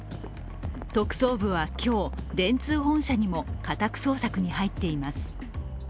特捜部は今日、電通本社にも家宅捜索に入っています。